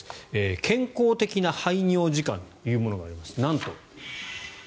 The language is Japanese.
健康的な排尿時間というものがあります。